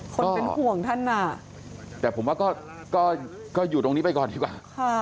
คนเป็นห่วงท่านอ่ะแต่ผมว่าก็อยู่ตรงนี้ไปก่อนดีกว่า